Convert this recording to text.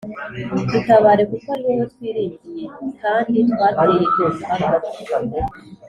Dutabare kuko ari wowe twiringiye j kandi twateye iyi mbaga